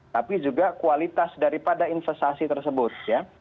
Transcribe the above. tapi juga kualitas daripada investasi tersebut ya